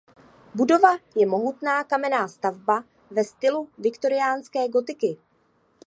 Budova je mohutná kamenná stavba ve stylu viktoriánské gotiky.